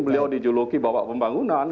beliau dijuluki bapak pembangunan